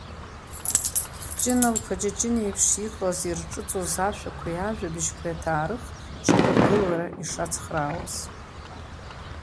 Ҷына лԥа Ҷыҷын еиԥш иҟаз ирҿыҵуаз ашәақәеи ажәабжьқәеи аҭаарых шьақәыргылара ишацхраауаз.